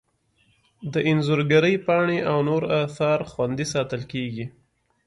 د انځورګرۍ پاڼې او نور اثار خوندي ساتل کیږي.